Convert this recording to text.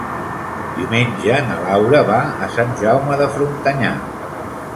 Diumenge na Laura va a Sant Jaume de Frontanyà.